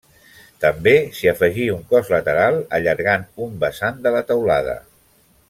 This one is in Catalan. També s'hi afegí un cos lateral, allargant un vessant de la teulada.